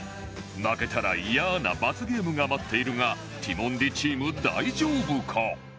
負けたらイヤな罰ゲームが待っているがティモンディチーム大丈夫か？